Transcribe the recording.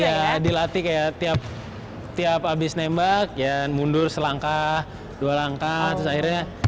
iya dilatih kayak tiap abis nembak ya mundur selangkah dua langkah terus akhirnya